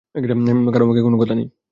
কারো মুখে কোন কথা নেই।